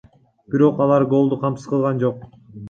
Бирок алар голду камсыз кылган жок.